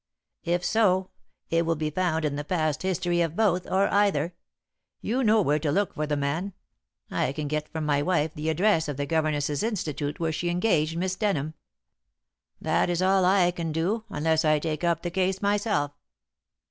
"If so, it will be found in the past history of both, or either. You know where to look for the man. I can get from my wife the address of the Governesses' Institute where she engaged Miss Denham. That is all I can do, unless I take up the case myself."